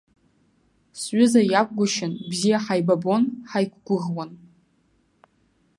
Сҩыза иакәгәышьан, бзиа ҳаибабон, ҳаиқәгәыӷуан.